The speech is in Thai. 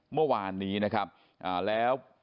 เมื่อวานนี้นะครับแล้ว